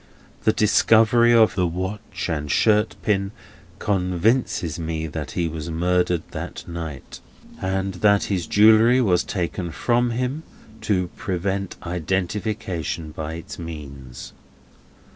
The discovery of the watch and shirt pin convinces me that he was murdered that night, and that his jewellery was taken from him to prevent identification by its means.